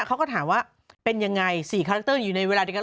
เขาก็ถามว่าเป็นยังไง๔คาแคเตอร์อยู่ในเวลาเดียวกัน